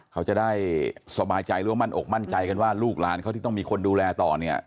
เขาจะได้สบายใจหรือว่ามั่นอกมั่นใจกันว่าลูกหลานเขาที่ต้องมีคนดูแลต่อเนี่ย